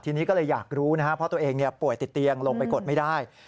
ทีนี้ก็เลยอยากรู้นะครับเพราะตัวเองป่วยติดเตียงลงไปกดไม่ได้